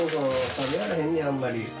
食べられへんねんあんまり。